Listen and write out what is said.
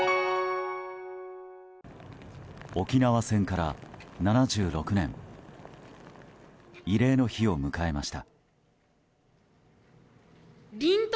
沖縄戦から７６年慰霊の日を迎えました。